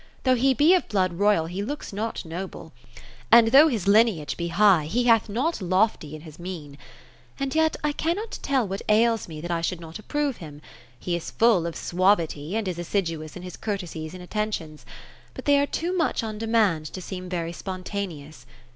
Though he be of blood royal, he looks not noble ; and though his lineage be high, he hath naught lofty in his mien. And yet I cannot tell what ails me, that I should not approve him. He is full of suavity, and is assiduous in his courtesies and attentions ; but they are too much on demand, to seem very spontaneous.